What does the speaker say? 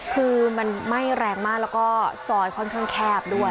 คือมันไหม้แรงมากแล้วก็ซอยค่อนข้างแคบด้วย